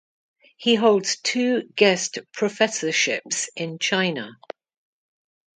He holds two guest professorships in China.